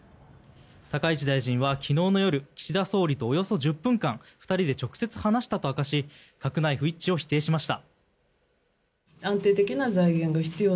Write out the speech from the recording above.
高市大臣は昨日の夜岸田総理とおよそ１０分間２人で直接話したと明かし閣内不一致を否定しました。